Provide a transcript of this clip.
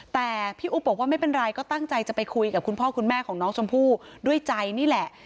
แต่พี่อุ๊บบอกว่าไม่เป็นไรก็ตั้งใจจะไปคุยกับคุณพ่อคุณแม่ของน้องชมพู่ด้วยใจนี่แหละ